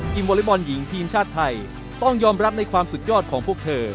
วอเล็กบอลหญิงทีมชาติไทยต้องยอมรับในความสุดยอดของพวกเธอ